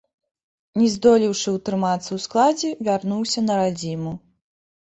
Не здолеўшы утрымацца ў складзе, вярнуўся на радзіму.